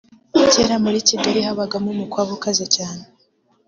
Kera muri Kigali habagamo umukwabu ukaze cyane